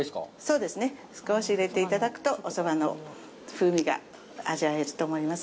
そうですね、少し入れていただくと、おそばの風味が味わえると思います。